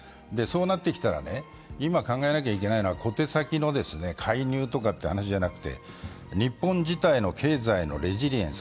そうなってきたら今考えなければいけないのは小手先の介入ではなくて日本自体の経済のレジリエンス